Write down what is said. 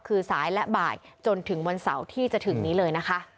คือสายและบ่ายจนถึงวันเสาร์ที่จะถึงนี้เลยนะคะ